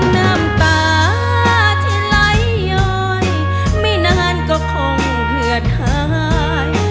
น้ำตาที่ไหลยอยไม่นานก็คงเผือดหาย